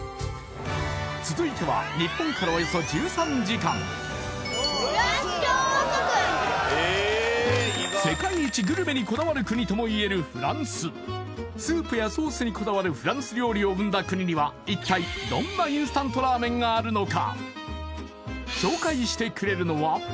続いては日本からおよそ１３時間世界一グルメにこだわる国ともいえるフランススープやソースにこだわるフランス料理を生んだ国には一体どんなインスタントラーメンがあるのか？